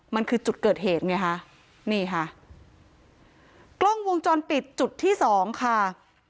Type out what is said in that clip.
มันคือจุดเกิดเหตุไงคะนี่ค่ะกล้องวงจรปิดจุดที่สองค่ะ